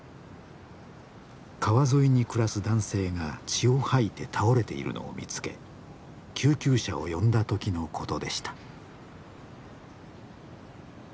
川沿いに暮らす男性が血を吐いて倒れているのを見つけ救急車を呼んだ時のことでした。